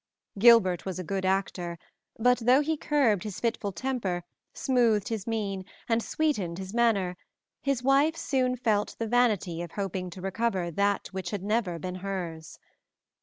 Gilbert was a good actor, but, though he curbed his fitful temper, smoothed his mien, and sweetened his manner, his wife soon felt the vanity of hoping to recover that which never had been hers.